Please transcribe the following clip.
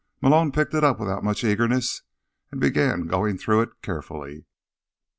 Malone picked it up without much eagerness, and began going through it carefully.